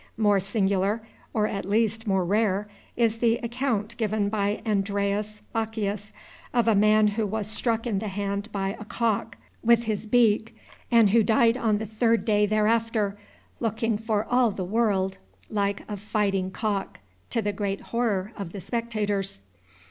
More singular, or at least more rare, is the account given by Andreas Baccius, of a man who was struck in the hand by a cock, with his beak, and who died on the third day thereafter, looking for all the world like a fighting cock, to the great horror of the spectators.